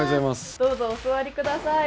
どうぞお座りください。